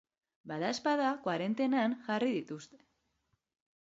Badaezpada koarentenan jarri dituzte.